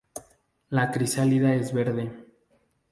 La crisálida es verde.